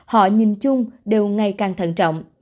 họ nhìn chung đều ngày càng thận trọng